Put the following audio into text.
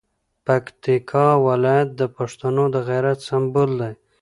پکتیکا ولایت د پښتنو د غیرت سمبول دی.